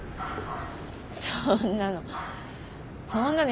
そんなの。